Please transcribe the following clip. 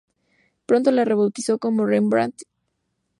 Pronto la rebautizó como Rembrandt Ltd.